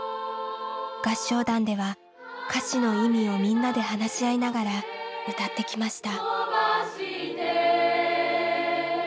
合唱団では歌詞の意味をみんなで話し合いながら歌ってきました。